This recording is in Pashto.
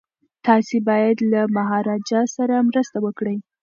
تاسي باید له مهاراجا سره مرسته وکړئ.